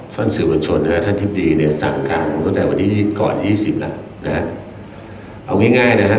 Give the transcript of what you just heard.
พศชีวภาพชีวธรรมสนเกิร์ตต่อที่ประชุมนะครับ